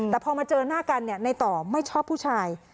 แต่พอมาเจอหน้ากันในต่อไม่ชอบผู้ชาย